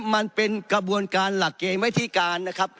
มันเป็นกระบวนการหลักเกณฑ์วิธีการนะครับ